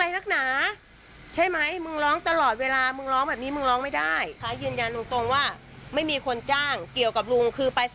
แต่ไม่มีใครจ้าง